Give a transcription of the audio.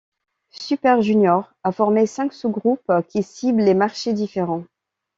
Super Junior a formé cinq sous-groupes, qui ciblent des marchés différents.